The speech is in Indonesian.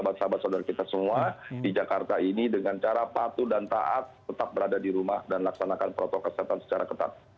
dan sahabat sahabat kita semua di jakarta ini dengan cara patuh dan taat tetap berada di rumah dan laksanakan protokol kesehatan secara ketat